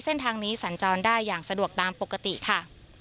เส้นทางนี้สัญจรได้อย่างสะดวกตามปกติค่ะ